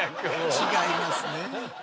違いますね。